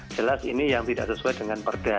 jelas ini yang tidak sesuai dengan perda